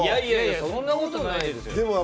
そんなことないです。